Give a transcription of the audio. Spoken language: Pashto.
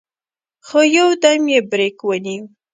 خو يودم يې برېک ونيو.